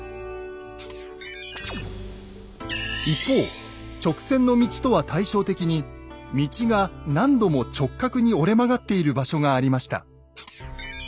一方直線の道とは対照的に道が何度も直角に折れ曲がっている場所がありました。